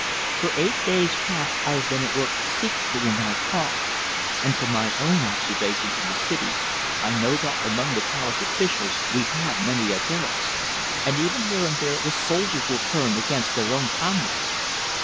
For eight days past I have been at work secretly in thy cause, and from my own observations in the city I know that among the palace officials we have many adherents, and even here and there the soldiers will turn against their own comrades.